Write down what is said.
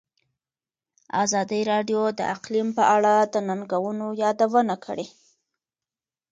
ازادي راډیو د اقلیم په اړه د ننګونو یادونه کړې.